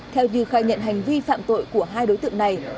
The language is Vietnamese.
theo như khai nhận hành vi phạm tội của hai đối tượng này